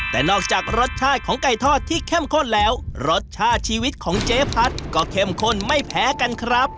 แต่นอกจากรสชาติของไก่ทอดที่เข้มข้นแล้วรสชาติชีวิตของเจ๊พัดก็เข้มข้นไม่แพ้กันครับ